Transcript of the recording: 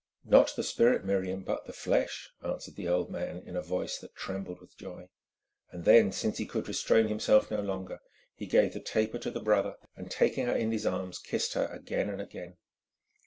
"Not the spirit, Miriam, but the flesh," answered the old man in a voice that trembled with joy. Then, since he could restrain himself no longer, he gave the taper to the brother, and, taking her in his arms, kissed her again and again.